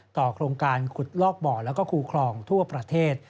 ต่อโครงการขุดลอกบ่อนและคูครองทั่วประเทศ